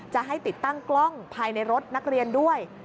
จะให้ติดตั้งกล้องภายในรถนักเรียนด้วย